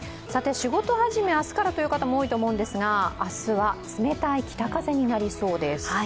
仕事始め、明日からという方も多いと思うんですが、明日は冷たい北風になりそうです。